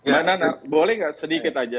mbak nana boleh nggak sedikit aja